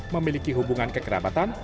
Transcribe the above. memiliki hubungan kekerabatan